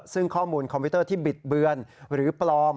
ซึ่งข้อมูลคอมพิวเตอร์ที่บิดเบือนหรือปลอม